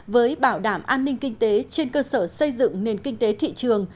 với bảo đảm an ninh kinh tế trên cơ sở xây dựng nền kinh tế thị trường